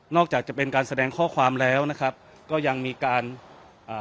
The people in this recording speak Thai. จะเป็นการแสดงข้อความแล้วนะครับก็ยังมีการอ่า